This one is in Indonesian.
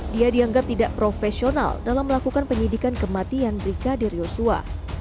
dia dianggap tidak profesional dalam melakukan penyidikan kematian brigadir yosua